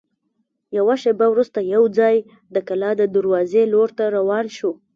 یوه شېبه وروسته یوځای د کلا د دروازې لور ته روان شوو.